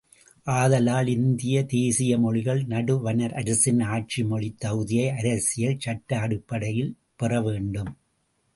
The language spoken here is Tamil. ஆதலால், இந்திய தேசிய மொழிகள் நடுவணரசின் ஆட்சி மொழித் தகுதியை அரசியல் சட்ட அடிப்படையில் பெறவேண்டும்.